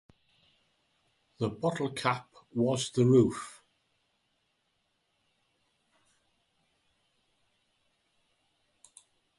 The "bottle cap" was the roof.